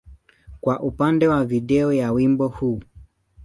kwa upande wa video ya wimbo huu.